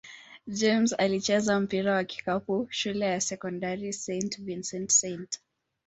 James alicheza mpira wa kikapu shule ya sekondari St. Vincent-St.